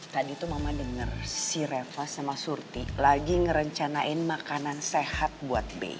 tadi tuh mama denger si reva sama surty lagi ngerencanain makanan sehat buat dia ya